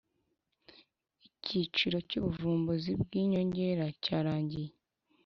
ikiciro cy ubuvumbuzi bw inyongera cyarangiye